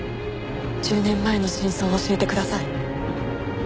１０年前の真相を教えてください。